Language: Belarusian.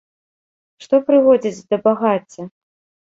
Што прыводзіць да багацця?